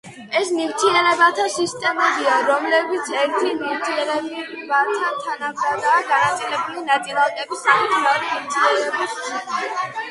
ეს ნივთიერებათა ისეთი სისტემებია, რომლებშიც ერთი ნივთიერება თანაბრადაა განაწილებული ნაწილაკების სახით მეორე ნივთიერების შიგნით.